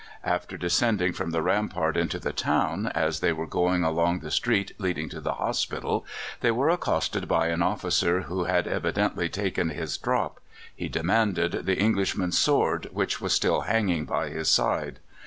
After descending from the rampart into the town, as they were going along the street leading to the hospital, they were accosted by an officer who had evidently taken his "drop." He demanded the Englishman's sword, which was still hanging by his side.